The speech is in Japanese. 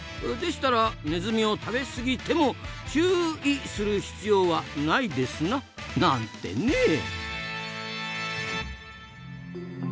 でしたらネズミを食べ過ぎても「チューい」する必要はないですな！なんてね。